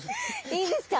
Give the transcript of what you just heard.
いいですか？